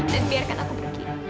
dan biarkan aku pergi